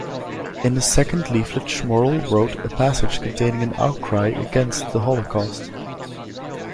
In the second leaflet Schmorell wrote a passage containing an outcry against the Holocaust.